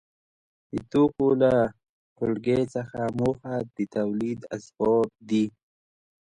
د توکو له ټولګې څخه موخه د تولید اسباب دي.